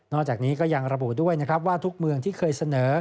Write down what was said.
จากนี้ก็ยังระบุด้วยนะครับว่าทุกเมืองที่เคยเสนอ